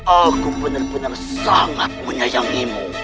aku benar benar sangat menyayangimu